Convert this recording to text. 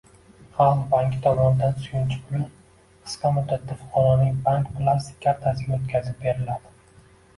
Xalq banki tomonidan suyunchi puli qisqa muddatda fuqaroning bank plastik kartasiga o‘tkazib beriladi